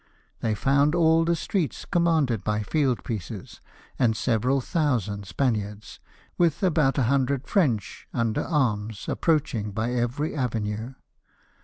They found all the streets commanded by field pieces, and several thousand Spaniards, with about a hundred French, under arms, approaching by every avenue.